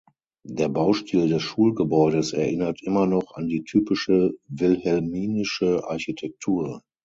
Der Baustil des Schulgebäudes erinnert immer noch an die typische wilhelminische Architektur.